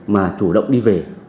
mà chủ động đi về